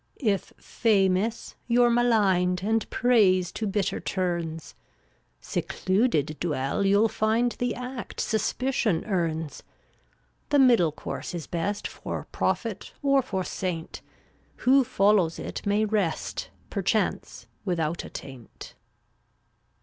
347 If famous, you're maligned, And praise to bitter turns; Secluded dwell, you'll find The act suspicion earns. The middle course is best For prophet or for saint; Who follows it may rest, Perchance, without a taint.